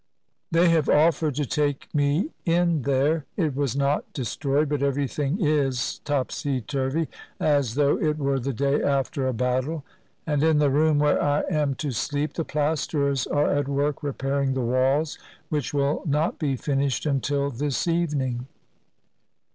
They have offered to take me in there; it was not de stroyed, but everything is topsy turvy, as though it were the day after a battle; and in the room where I am to sleep the plasterers are at work repairing the walls, which will not be finished until this evening.